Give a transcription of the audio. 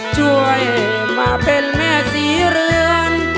ช่วยมาเป็นแม่ศรีเรือน